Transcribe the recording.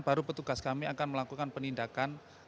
baru petugas kami akan melakukan penindakan